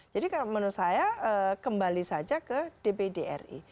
jadi menurut saya kembali saja ke dbd ri